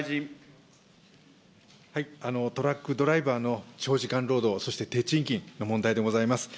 トラックドライバーの長時間労働、そして低賃金の問題でございます。